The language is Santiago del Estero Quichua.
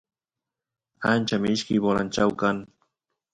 ancha mishki bolanchau kan